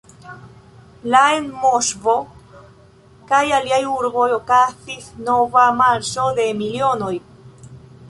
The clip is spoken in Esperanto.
La en Moskvo kaj aliaj urboj okazis nova "Marŝo de milionoj".